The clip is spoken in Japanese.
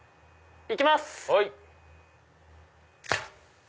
行きます！